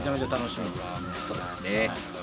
そうですね。